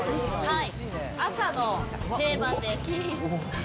朝の定番です。